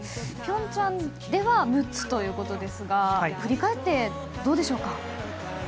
平昌では６つということですが振り返って、どうでしょうか。